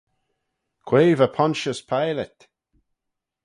Quoi va Pontius Pilate?